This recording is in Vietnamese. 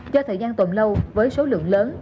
do thời gian tồn lâu với số lượng lớn